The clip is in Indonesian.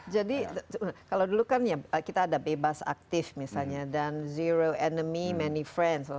jadi kalau dulu kan kita ada bebas aktif misalnya dan zero enemy many friends